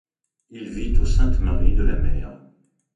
Il vit aux Saintes-Maries-de-la-Mer.